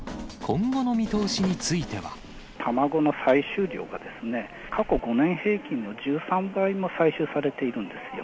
卵の採取量が、過去５年平均の１３倍も採取されているんですよ。